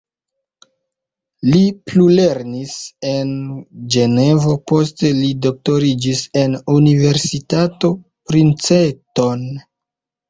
Li plulernis en Ĝenevo, poste li doktoriĝis en Universitato Princeton.